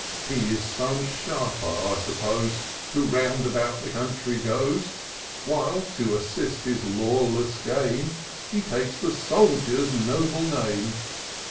He is some sharper, I suppose. Who round about the coimtry goes ; While, to assist his lawless game. He takes the soldier's noble name.